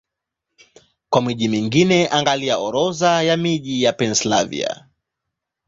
Kwa miji mingine, angalia Orodha ya miji ya Pennsylvania.